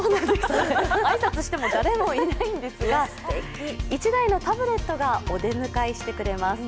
挨拶しても誰もいないんですが、１台のタブレットがお出迎えしてくれます。